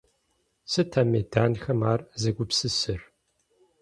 Сыт а меданхэм ар зэгупсысыр?